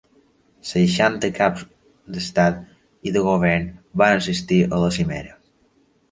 Seixanta Caps d'Estat i de Govern van assistir a la cimera.